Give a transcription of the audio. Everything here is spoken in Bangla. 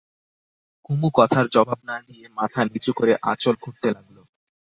কুমু কথার জবাব না দিয়ে মাথা নিচু করে আঁচল খুঁটতে লাগল।